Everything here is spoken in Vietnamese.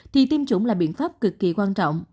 thì tiêm chủng là biện pháp cực kỳ quan trọng